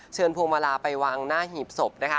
เชิญพวกมลาไปวังหน้าหีบศพ